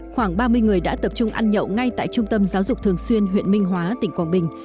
khoảng ba mươi người đã tập trung ăn nhậu ngay tại trung tâm giáo dục thường xuyên huyện minh hóa tỉnh quảng bình